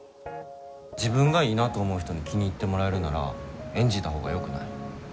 自分がいいなと思う人に気に入ってもらえるなら演じたほうがよくない？